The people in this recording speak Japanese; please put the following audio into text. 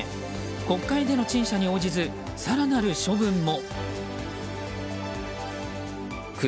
国会での陳謝に応じず更なる処分も。